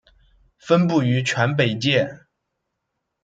分布于全北界。